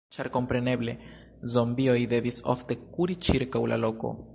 Ĉar kompreneble, zombioj devis ofte kuri ĉirkaŭ la loko...